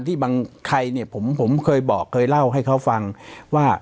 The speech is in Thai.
บางใครเนี่ยผมเคยบอกเคยเล่าให้เขาฟังว่า